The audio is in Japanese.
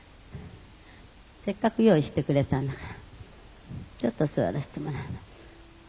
せっかく用意してくれたんだからちょっと座らせてもらうわ。